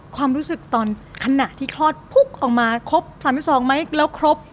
ความรู้สึกตอนขณะที่คลอดพุกออกมาครบ๓๒ไหมแล้วครบ